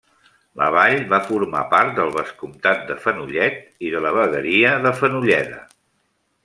La vall va formar part del vescomtat de Fenollet i de la vegueria de Fenolleda.